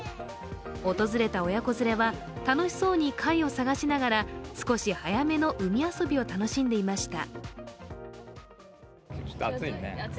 訪れた親子連れは、楽しそうに貝を探しながら少し早めの海遊びを楽しんでいました。